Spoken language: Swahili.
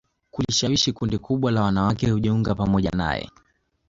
kulishawishi kundi kubwa la wanawake kujiunga pamoja naye